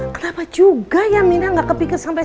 kenapa juga ya mina gak kepikir sampai